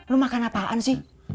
lu makan apaan sih